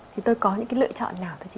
thì tôi có những cái lựa chọn nào thưa chị